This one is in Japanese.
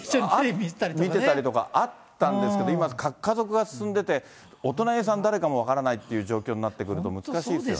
見てたりとかあったんですけど、今、核家族化が進んでて、お隣さん誰かも分からないっていう状況になってくると、難しいですよね。